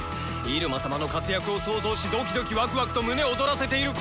入間様の活躍を想像しドキドキワクワクと胸躍らせている